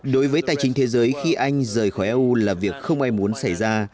đối với tài chính thế giới khi anh rời khỏi eu là việc không ai muốn xảy ra